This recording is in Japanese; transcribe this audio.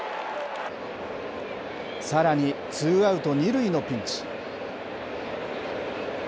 さらにツーアウト２塁のピンチ。